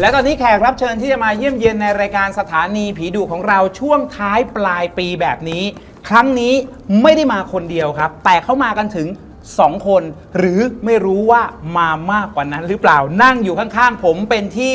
และตอนนี้แขกรับเชิญที่จะมาเยี่ยมเยี่ยมในรายการสถานีผีดุของเราช่วงท้ายปลายปีแบบนี้ครั้งนี้ไม่ได้มาคนเดียวครับแต่เขามากันถึงสองคนหรือไม่รู้ว่ามามากกว่านั้นหรือเปล่านั่งอยู่ข้างผมเป็นที่